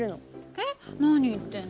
えっ何言ってんの？